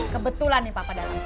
kebetulan nih papa datang